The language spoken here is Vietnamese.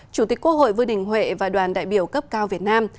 chủ tịch quốc hội vương đình huệ và đoàn đại biểu cấp cao việt nam